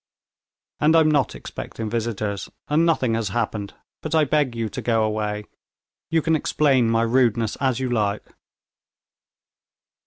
"And I'm not expecting visitors, and nothing has happened, but I beg you to go away. You can explain my rudeness as you like."